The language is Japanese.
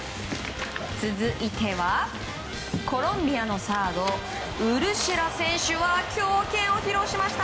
続いてはコロンビアのサードウルシェラ選手は強肩を披露しました！